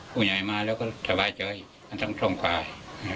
ผู้เย่กมาเราก็สบายใจของการตั้งต้องส่งพาย